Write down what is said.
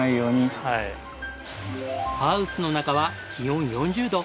ハウスの中は気温４０度。